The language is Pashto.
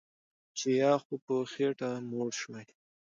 چې یا خو په خېټه موړ شوی